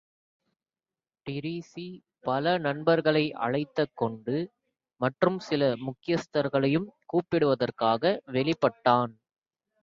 Treacy பல நண்பர்களை அழைத்தக்கொண்டு மற்றும் சில முக்கியஸ்தர்களையும் கூப்பிடுவதற்காக வெளிப்பட்டான்.